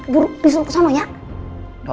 buru disuruh kesana ya